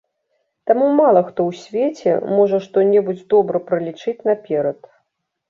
Таму мала хто ў свеце можа што-небудзь добра пралічыць наперад.